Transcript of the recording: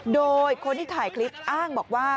โดยคนที่ถ่ายคลิปอ้างบอกว่า